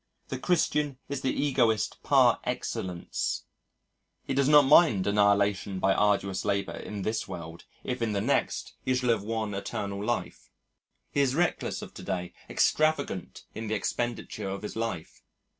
The Christian is the Egoist par excellence. He does not mind annihilation by arduous labour in this world if in the next he shall have won eternal life.... He is reckless of to day, extravagant in the expenditure of his life.